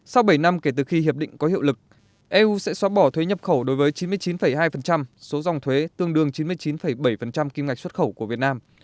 sau bảy năm kể từ khi hiệp định có hiệu lực eu sẽ xóa bỏ thuế nhập khẩu đối với chín mươi chín hai số dòng thuế tương đương chín mươi chín bảy kim ngạch xuất khẩu của việt nam